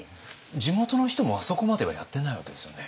地元の人もあそこまではやってないわけですよね？